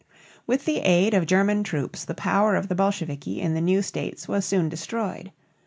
With the aid of German troops the power of the Bolsheviki in the new states was soon destroyed.